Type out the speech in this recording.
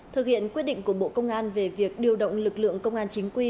thực hiện quyết định của bộ công an về việc điều động lực lượng công an chính quy